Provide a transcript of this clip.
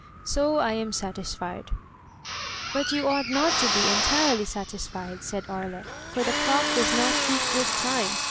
So I am satisfied." But you ought not to be entirely satisfied,'' said Aria, "for the clock does not keep good time.